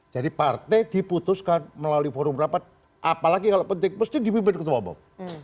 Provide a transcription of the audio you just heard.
jadi partai diputuskan melalui forum rapat apalagi kalau penting pasti dipimpin ketua pobok